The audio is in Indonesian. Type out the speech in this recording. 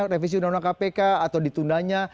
revisi undang undang kpk atau ditundanya